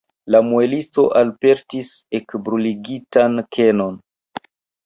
La muelisto alportis ekbruligitan kenon.